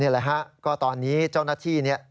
นี่แหละฮะก็ตอนนี้เจ้าหน้าที่